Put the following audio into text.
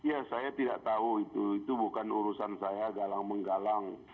ya saya tidak tahu itu itu bukan urusan saya galang menggalang